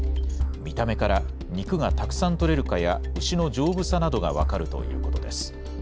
見た目から肉がたくさん取れるかや、牛の丈夫さなどが分かるということです。